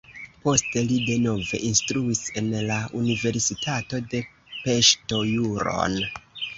Poste li denove instruis en la universitato de Peŝto juron.